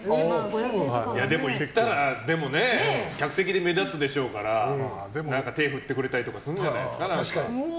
でも行ったら客席で目立つでしょうから手振ってくれたりするんじゃないですか。